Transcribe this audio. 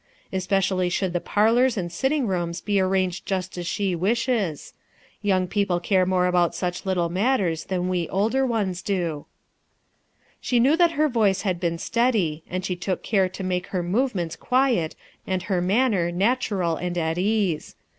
Especially should the parlors and sitting rooms be arranged just as she wishes. Young people care more about such little matters than we older ones do." She knew that her voice had been steady, and she took care to make her movements quiet and her manner natural and at case.